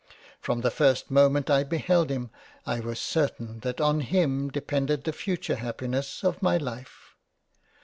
From the first moment I beheld him, I was certain that on him depended the future Happiness of my Life.